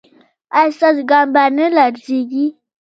ایا ستاسو ګام به نه لړزیږي؟